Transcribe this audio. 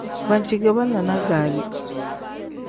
Banci ge banlanaa gaari.